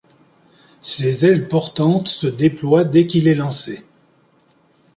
Ses ailes portantes se déploient dès qu'il est lancé.